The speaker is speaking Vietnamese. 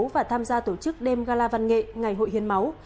và tổ chức đêm gala văn nghệ ngày hội hiến máu